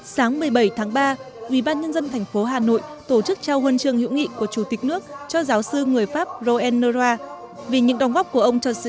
sáng một mươi bảy tháng ba ubnd tp hà nội tổ chức trao huân trường hữu nghị của chủ tịch nước cho giáo sư người pháp roen nora